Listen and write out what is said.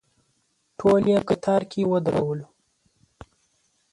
ټول یې کتار کې ودرولو.